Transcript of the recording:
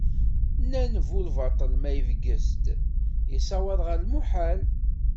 Nnan bu lbaṭel ma ibges-d, yessawaḍ ɣer lmuḥal.